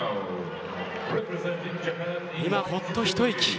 今、ほっと一息。